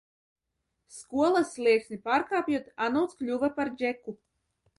Skolas slieksni pārkāpjot, Anūts kļuva par Džeku.